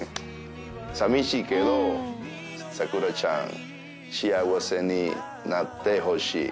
さみしいけど、サクラちゃん、幸せになってほしい。